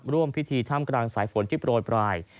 ร่วมพิธีท่ามกลางสายฝนที่โปรยปลาย